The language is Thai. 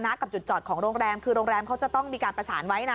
กับจุดจอดของโรงแรมคือโรงแรมเขาจะต้องมีการประสานไว้นะ